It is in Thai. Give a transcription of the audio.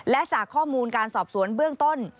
และจากข้อมูลการสอบสวนเบื้องต้น